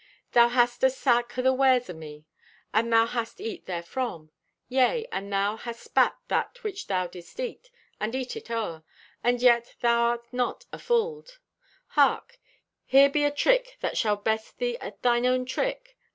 Thou hast a sack o' the wares o' me, and thou hast eat therefrom. Yea, and thou hast spat that which thou did'st eat, and eat it o'er. And yet thou art not afulled. "Hark! Here be a trick that shall best thee at thine own trick.